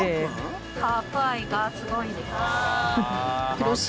カープ愛がすごいんです。